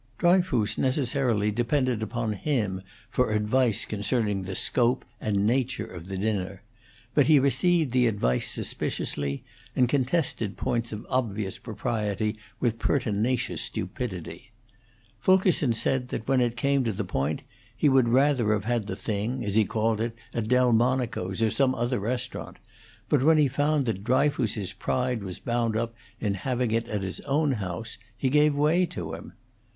Dryfoos necessarily depended upon him for advice concerning the scope and nature of the dinner, but he received the advice suspiciously, and contested points of obvious propriety with pertinacious stupidity. Fulkerson said that when it came to the point he would rather have had the thing, as he called it, at Delmonico's or some other restaurant; but when he found that Dryfoos's pride was bound up in having it at his own house, he gave way to him.